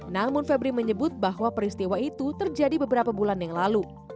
namun febri menyebut bahwa peristiwa itu terjadi beberapa bulan yang lalu